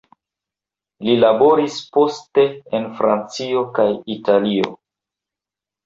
Li laboris poste en Francio kaj Italio.